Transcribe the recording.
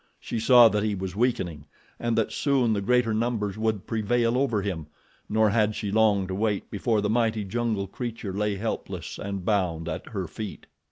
She saw that he was weakening and that soon the greater numbers would prevail over him, nor had she long to wait before the mighty jungle creature lay helpless and bound at her feet.